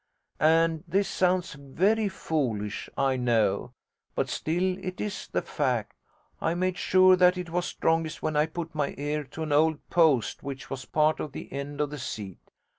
And this sounds very foolish, I know, but still it is the fact I made sure that it was strongest when I put my ear to an old post which was part of the end of the seat.